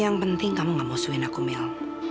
yang penting kamu tidak mau suing aku mil